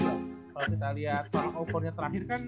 kalau kita liat oponnya terakhir kan